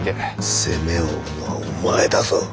責めを負うのはお前だぞ。